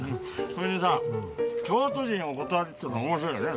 それにさ京都人お断りっていうの面白いね。